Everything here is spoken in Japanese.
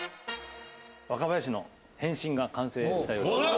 若林の変身が完成したようです。